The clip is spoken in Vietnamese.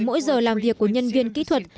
mỗi giờ làm việc của nhân viên kỹ thuật